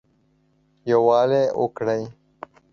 يووالى وکړٸ